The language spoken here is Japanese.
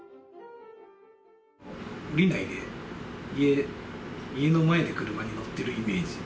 降りないで、家の前で車に乗ってるイメージ。